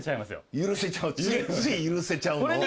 全然許せちゃうの？